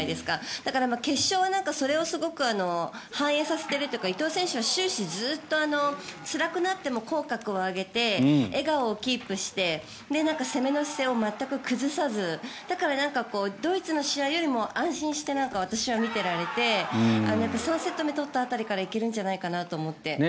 だから決勝はそれをすごく反映させているというか伊藤選手は終始、ずっとつらくなっても口角を上げて笑顔をキープして攻めの姿勢を全く崩さずだから、ドイツの試合よりもなんか安心して私は見ていられて３セット目取った辺りから行けるんじゃないかなと思って。